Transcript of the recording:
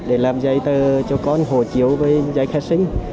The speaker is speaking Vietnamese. để làm giấy tờ cho con hồ chiếu với giấy khai sinh